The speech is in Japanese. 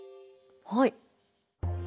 はい。